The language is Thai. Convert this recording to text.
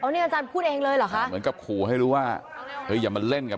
นี่อาจารย์พูดเองเลยเหรอคะเหมือนกับขู่ให้รู้ว่าเฮ้ยอย่ามาเล่นกับ